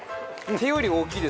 手より大きいですよ。